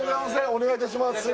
お願いいたします